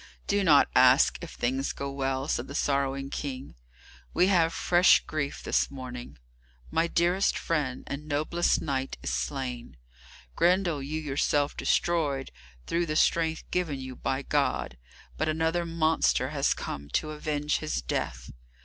"Do not ask if things go well," said the sorrowing King, "we have fresh grief this morning. My dearest friend and noblest knight is slain. Grendel you yourself destroyed through the strength given you by God, but another monster has come to avenge his death.